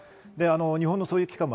日本のそういう機関もあります。